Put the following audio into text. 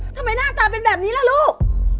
ทำไมหน้าตาเป็นแบบนี้ละลูก